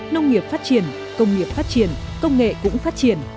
nông nghiệp phát triển công nghiệp phát triển công nghệ cũng phát triển